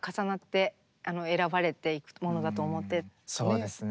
そうですね。